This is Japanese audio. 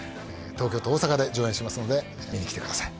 東京と大阪で上演しますので見に来てください